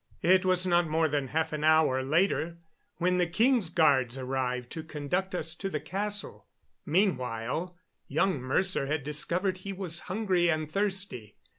It was not more than half an hour later when the king's guards arrived to conduct us to the castle. Meanwhile young Mercer had discovered he was hungry and thirsty.